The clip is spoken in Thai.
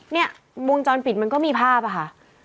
เนี่ยวงจรปิดมันก็มีภาพอะค่ะ